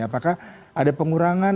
apakah ada pengurangan